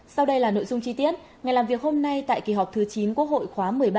sau đây là nội dung chi tiết ngày làm việc hôm nay tại kỳ họp thứ chín quốc hội khóa một mươi ba